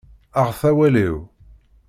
Aɣet awal-iw!